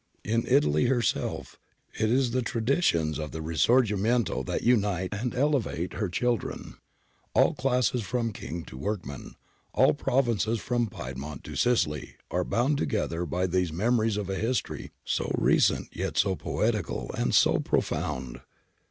In Italy herself it is the traditions of the risorgimento that unite and elevate her children. All classes from king to workman, all provinces from Piedmont to Sicily are bound together by these memories of a history so recent yet so poetical and so profound.